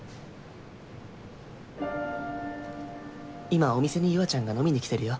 「今お店にゆあちゃんが飲みに来てるよ」。